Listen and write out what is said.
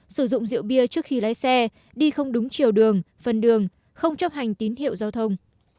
sử dụng rượu bia trước khi lái xe đi không đúng chiều đường phần đường không chấp hành tín hiệu giao thông